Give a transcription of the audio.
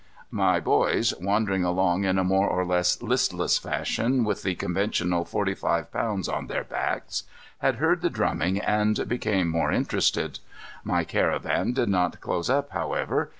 My "boys," wandering along in a more or less listless fashion with the conventional forty five pounds on their backs, had heard the drumming and became more interested. My caravan did not close up, however.